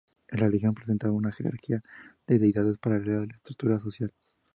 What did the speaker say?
La religión presentaba una jerarquía de deidades paralela a la estructura social.